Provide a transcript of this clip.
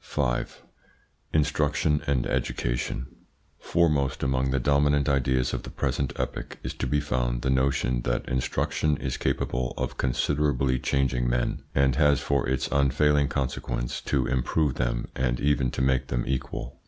5. INSTRUCTION AND EDUCATION Foremost among the dominant ideas of the present epoch is to be found the notion that instruction is capable of considerably changing men, and has for its unfailing consequence to improve them and even to make them equal.